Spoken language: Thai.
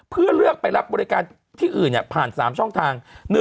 เพื่อเลือกไปรับบริการที่อื่นผ่าน๓ช่องทาง